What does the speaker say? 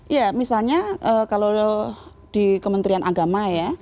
ya misalnya kalau di kementerian agama ya